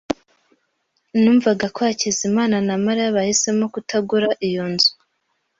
Numvaga ko Hakizimana na Mariya bahisemo kutagura iyo nzu.